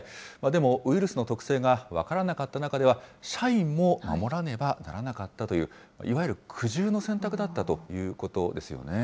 でもウイルスの特性が分からなかった中では、社員も守らねばならなかったという、いわゆる苦渋の選択だったということですよね。